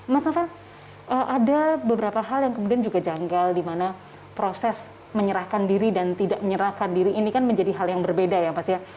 mas novel ada beberapa hal yang kemudian juga janggal di mana proses menyerahkan diri dan tidak menyerahkan diri ini kan menjadi hal yang berbeda ya mas ya